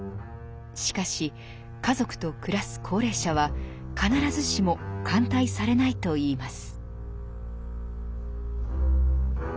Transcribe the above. しかし家族と暮らす高齢者は必ずしも歓待されないといいます。